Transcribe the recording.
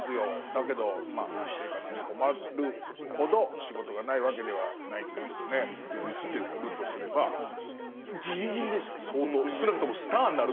だけど生活に困るほど仕事がないわけではないんですけどね」って言ってるとすればギリギリですよ相当。